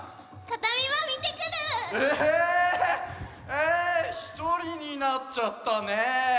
えひとりになっちゃったねえ。